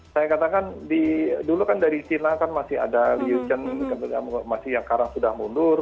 saya katakan dulu kan dari china kan masih ada liu cance yang sekarang sudah mundur